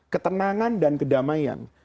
ketenangan dan kedamaian